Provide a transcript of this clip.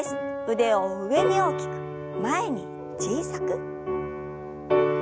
腕を上に大きく前に小さく。